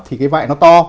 thì cái vại nó to